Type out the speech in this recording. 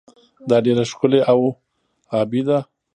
دا ډیره ښکلې او ابي ده.